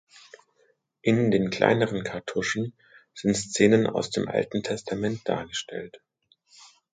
In den kleineren Kartuschen sind Szenen aus dem Alten Testament dargestellt.